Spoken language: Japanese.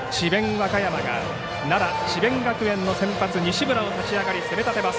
和歌山が奈良智弁学園の先発西村の立ち上がりを攻め立てます。